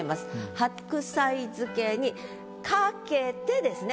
「白菜漬けにかけて」ですね。